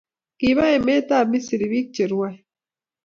Kiba emet ab misir pik che rwae